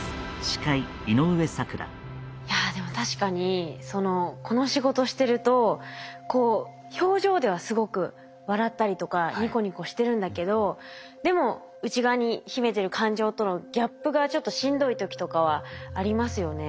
いやでも確かにこの仕事してるとこう表情ではすごく笑ったりとかニコニコしてるんだけどでも内側に秘めてる感情とのギャップがちょっとしんどい時とかはありますよね。